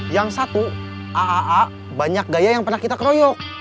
yang satu aa banyak gaya yang pernah kita keroyok